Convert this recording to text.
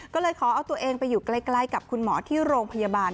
ก็เลยขอเอาตัวเองไปอยู่ใกล้กับคุณหมอที่โรงพยาบาล